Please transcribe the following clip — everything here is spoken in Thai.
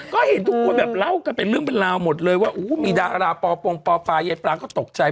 ก็เห็นทุกคนแบบเล่ากันเป็นเรื่องเป็นราวหมดเลยว่ามีดาราปอปงปอปายยายปรางก็ตกใจ